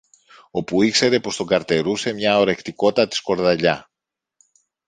όπου ήξερε πως τον καρτερούσε μια ορεκτικότατη σκορδαλιά.